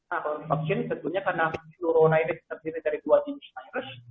nah kalau divaksin tentunya karena flurona ini terdiri dari dua jenis virus